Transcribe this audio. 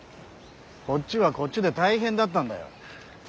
こっちはこっちで大変だったんだよ。